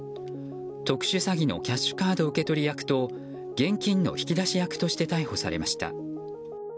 特殊詐欺のキャッシュカード受け取り役と現金の引き出し役として逮捕されました。